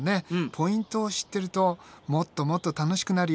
ポイントを知ってるともっともっと楽しくなるよ。